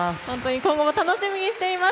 今後も楽しみにしています。